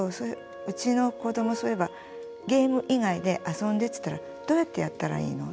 うちの子どもそういえば「ゲーム以外で遊んで」っつったら「どうやってやったらいいの？